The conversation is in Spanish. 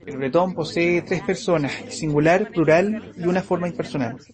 El bretón posee tres personas, singular, plural y una forma impersonal.